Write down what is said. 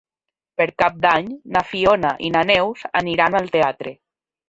Per Cap d'Any na Fiona i na Neus aniran al teatre.